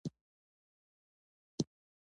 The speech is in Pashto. د سپوږمۍ یم شرمساره